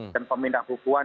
dan pemindah hubungan